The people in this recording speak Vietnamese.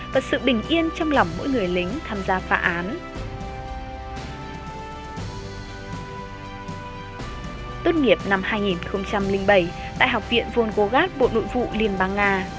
và sự bình yên trong lòng mỗi người làng